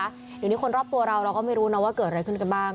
เดี๋ยวนี้คนรอบตัวเราเราก็ไม่รู้นะว่าเกิดอะไรขึ้นกันบ้าง